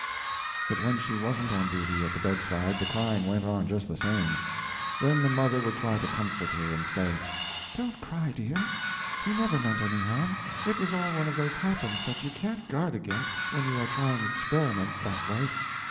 But when she wasn't on duty at the bedside the crying went on just the same; then the mother would try to comfort her, and say: "Don't cry, dear, he never meant any harm; it was all one of those happens that you can't guard against when you are trying experiments, that way.